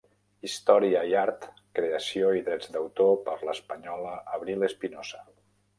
Història i art, creació i drets d'autor per l'espanyola Abril Espinosa.